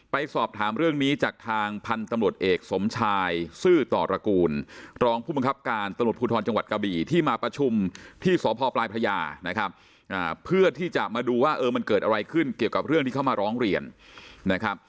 เพื่อที่จะมาดูว่ามันเกิดอะไรขึ้นเกี่ยวกับเรื่องที่เขามาร้องเรียน